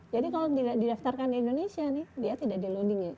jadi kalau tidak didaftarkan di indonesia nih dia tidak di loading nya